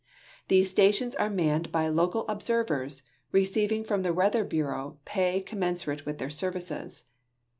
Tliese stations were manned by local observers, receiving from the Weather Bureau pay commensurate with tlieir services.